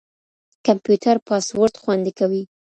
کمپيوټر پاسورډ خوندي کوي.